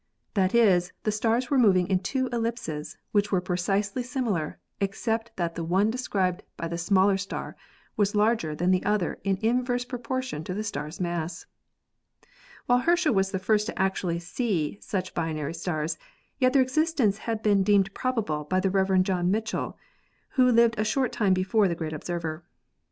That is, the stars were moving in two ellipses which were precisely similar, except that the one described by the smaller star was larger than the other in inverse proportion to the star's mass. While Herschel was the first actually to see such binary stars, yet their existence had been deemed probable by the Rev. John Michell, who lived a short time before the great observer.